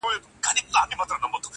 هم پلرونه هم مو وړونه هم خپلوان دي,